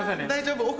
大丈夫。